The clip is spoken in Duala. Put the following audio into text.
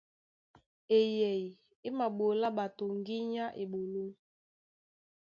Eyɛy é maɓolá ɓato ŋgínya á eɓoló.